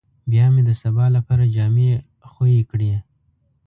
بيا مې د سبا لپاره جامې خويې کړې.